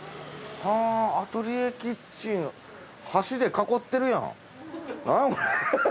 アトリエキッチン箸で囲ってるやん。